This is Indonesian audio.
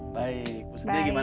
baik pak sedia gimana